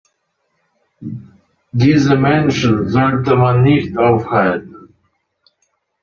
Diese Menschen sollte man nicht aufhalten.